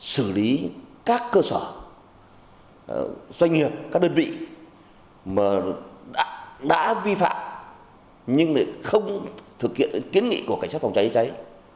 xử lý các cơ sở doanh nghiệp các đơn vị đã vi phạm nhưng không thực hiện kiến nghị của cảnh sát phòng cháy chữa cháy